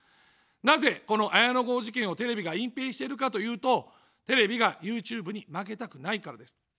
なぜ、この綾野剛事件をテレビが隠蔽しているかというと、テレビがＹｏｕＴｕｂｅに負けたくないからです。